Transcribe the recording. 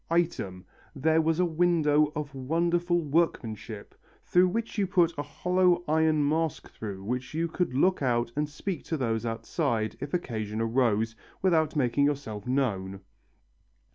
Item, there was a window of wonderful workmanship, through which you put a hollow iron mask through which you could look out and speak to those outside, if occasion arose, without making yourself known.